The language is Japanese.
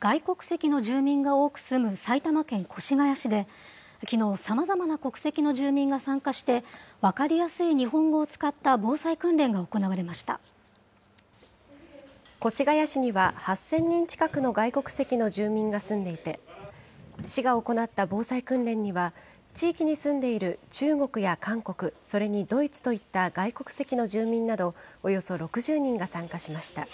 外国籍の住民が多く住む埼玉県越谷市で、きのう、さまざまな国籍の住民が参加して分かりやすい日本語を使った防災越谷市には８０００人近くの外国籍の住民が住んでいて、市が行った防災訓練には、地域に住んでいる中国や韓国、それにドイツといった外国籍の住民などおよそ６０人が参加しました。